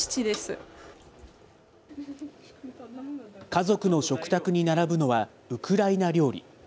家族の食卓に並ぶのは、ウクライナ料理。